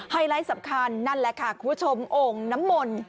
ไลท์สำคัญนั่นแหละค่ะคุณผู้ชมโอ่งน้ำมนต์